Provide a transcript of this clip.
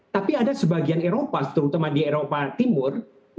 tapi ada sebagian eropa terutama di eropa timur